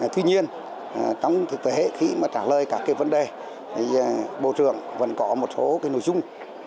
tuy nhiên trong thời hệ khi trả lời các vấn đề bộ trưởng vẫn có một số nội dung